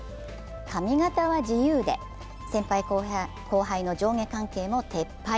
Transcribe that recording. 髪形は自由で、先輩・後輩の上下関係も撤廃。